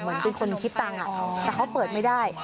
เหมือนเป็นคนคิดตังค์แต่เขาเปิดไม่ได้